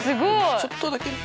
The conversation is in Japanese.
ちょっとだけね。